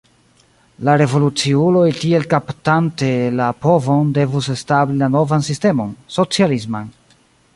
La revoluciuloj tiel kaptante la povon devus establi la novan sistemon, socialisman.